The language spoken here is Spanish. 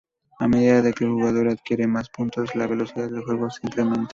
A medida que el jugador adquiere más puntos, la velocidad del juego se incrementa.